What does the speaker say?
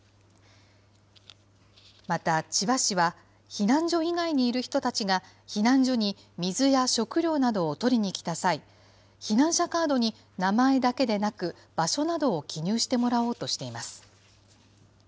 また、千葉市は、避難所以外にいる人たちが、避難所に水や食料などを取りに来た際、避難者カードに名前だけでなく、場所などを記入してもらおうとしています。